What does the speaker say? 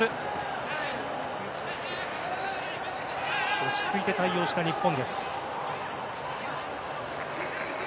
落ち着いて対応した日本。